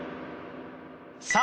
さあ